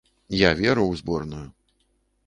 Я веру ў зборную.